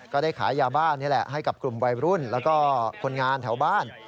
ก็ได้ขายยาบ้านนี่แหละให้กับกลุ่มวัยรุ่นแล้วก็คนงานแถวบ้าน